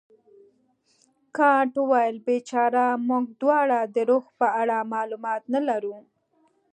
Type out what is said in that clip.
کانت وویل بیچاره موږ دواړه د روح په اړه معلومات نه لرو.